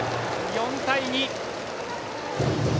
４対２。